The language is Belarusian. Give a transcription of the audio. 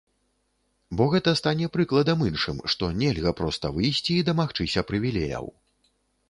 Бо гэта стане прыкладам іншым, што нельга проста выйсці і дамагчыся прывілеяў.